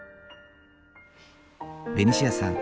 ベニシアさん